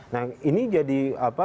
nah ini jadi apa